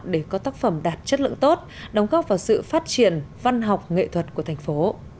để có tác phẩm đạt chất lượng tốt đóng góp vào sự phát triển văn học nghệ thuật của thành phố